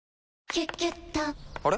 「キュキュット」から！